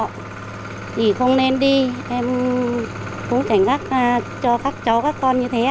thì không nên đi em cũng cảnh giác cho các cháu các con như thế